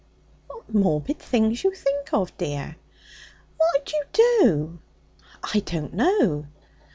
'What morbid things you think of, dear!' 'What'd you do?' 'I don't know.'